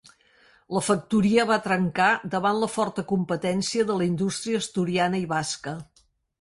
La factoria va trencar davant la forta competència de la indústria asturiana i basca.